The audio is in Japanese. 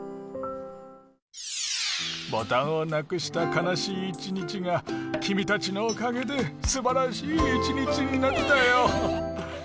ボタンをなくした悲しい一日が君たちのおかげですばらしい一日になったよ。